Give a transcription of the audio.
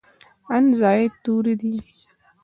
ان زاید توري دي.